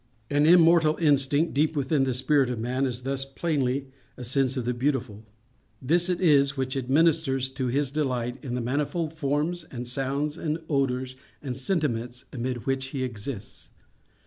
An immortal instinct deep within the spirit of man is thus plainly a sense of the Beautiful. This it is which administers to his delight in the manifold forms, and sounds, and odors and sentiments amid which he exists.